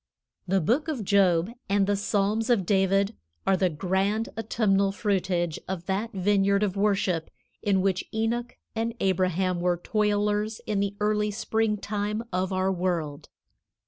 The Book of Job and the Psalms of David are the grand autumnal fruitage of that vineyard of worship in which Enoch and Abraham were toilers in the early springtime of our world.